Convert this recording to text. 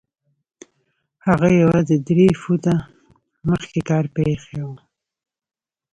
هغه يوازې درې فوټه مخکې کار پرېښی و.